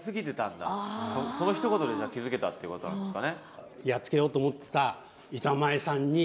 そのひと言で気付けたってことなんですかね。